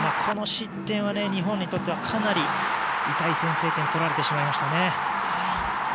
この失点は日本にとってはかなり痛い先制点取られてしまいましたね。